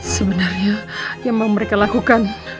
sebenarnya yang mau mereka lakukan